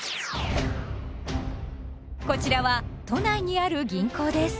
こちらは都内にある銀行です。